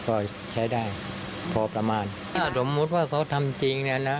ก็ใช้ได้พอประมาณถ้าสมมุติว่าเขาทำจริงเนี่ยนะ